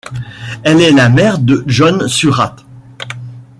Elle est la mère de John Surratt.